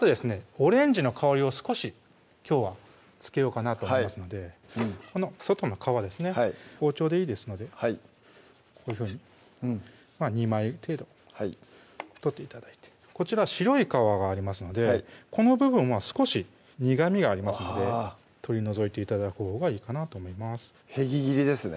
オレンジの香りを少しきょうはつけようかなと思いますのでこの外の皮ですね包丁でいいですのでこういうふうに２枚程度取って頂いてこちら白い皮がありますのでこの部分は少し苦みがありますので取り除いて頂くほうがいいかなと思いますへぎ切りですね